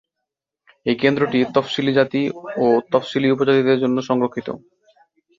এই কেন্দ্রটি তফসিলী জাতি ও তফসিলী উপজাতিদের জন্য সংরক্ষিত।